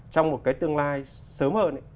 trong một cái tương lai sớm hơn